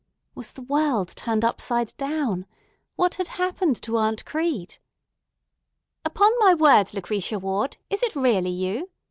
Was the world turned upside down? What had happened to Aunt Crete? "Upon my word, Lucretia Ward, is it really you?"